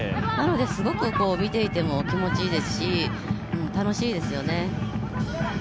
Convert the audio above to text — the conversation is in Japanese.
なので、見ていても気持ちいいですし楽しいですね。